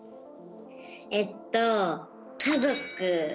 えっと家族。